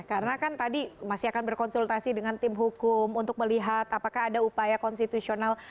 karena kan tadi masih akan berkonsultasi dengan tim hukum untuk melihat apakah ada upaya konstitusional